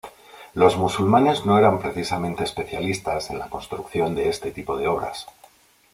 Los musulmanes no eran precisamente especialistas en la construcción de este tipo de obras.